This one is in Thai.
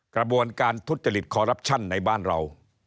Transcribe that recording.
กระบวนการทุจริตคอรัปชั่นในบ้านเรา